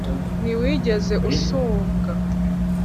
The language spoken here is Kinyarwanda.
Ntiwigeze usumbwa